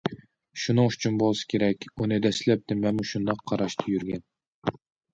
شۇنىڭ ئۈچۈن بولسا كېرەك، ئۇنى دەسلەپتە، مەنمۇ شۇنداق قاراشتا يۈرگەن.